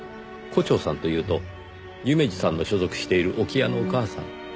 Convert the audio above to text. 胡蝶さんというと夢路さんの所属している置屋のおかあさん？